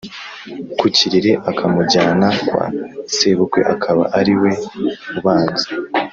ku kiriri akamujyana kwa sebukwe, akaba ari we ubanza